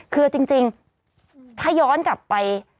คือจริงถ้าย้อนกลับไป